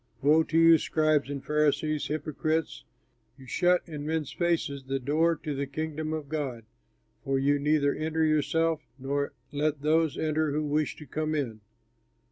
Woe to you, scribes and Pharisees, hypocrites! You shut in men's faces the door to the Kingdom of God; for you neither enter yourselves nor let those enter who wish to come in.